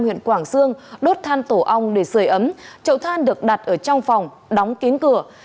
huyện quảng xương đốt than tổ ong để sơi ấm chậu than được đặt ở trong phòng đóng kín cửa